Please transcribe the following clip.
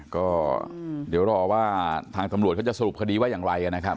ก็เดี๋ยวรอว่าทางตำรวจเขาจะสรุปคดีว่าอย่างไรนะครับ